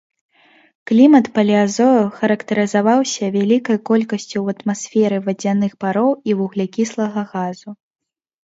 Клімат палеазою характарызаваўся вялікай колькасцю ў атмасферы вадзяных пароў і вуглякіслага газу.